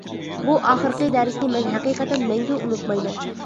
بۇ ئاخىرقى دەرسنى مەن ھەقىقەتەن مەڭگۈ ئۇنتۇمايمەن!